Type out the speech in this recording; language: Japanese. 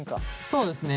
そうですね。